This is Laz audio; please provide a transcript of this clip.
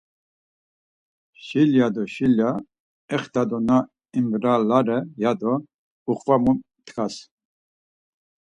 Şilya do şilya exta do na imbralare ya do uxvamu mt̆ǩas.